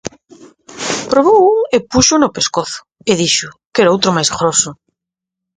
Probou un e púxoo no pescozo e dixo quero outro máis groso.